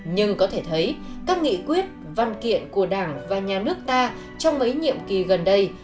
nhưng có thể thấy các nghị quyết văn kiện của đảng và nhà nước ta trong mấy nhiệm kỳ gần đây